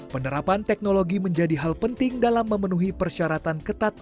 penerapan teknologi menjadi hal penting dalam memenuhi persyaratan ketat